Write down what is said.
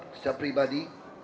hanya akan terlalu banyak